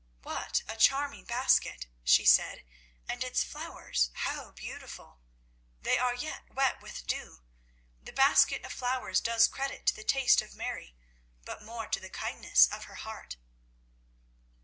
"What a charming basket!" she said, "and its flowers, how beautiful! They are yet wet with dew. The basket of flowers does credit to the taste of Mary but more to the kindness of her heart."